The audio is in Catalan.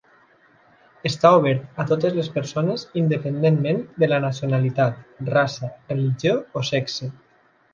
Està obert a totes les persones, independentment de la nacionalitat, raça, religió o sexe.